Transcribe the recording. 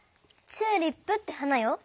チューリップって花よ。